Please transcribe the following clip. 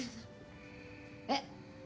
えっ？